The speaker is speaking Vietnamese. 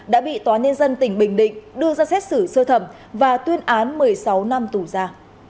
đã bị tòa nhân dân tỉnh bình định đưa ra xét xử sơ thẩm và tuyên án một mươi sáu năm tù ra